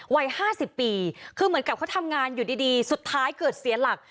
วัย๕๐ปีคือเหมือนกับเขาทำงานอยู่ดีสุดท้ายเกิดเสียหลัก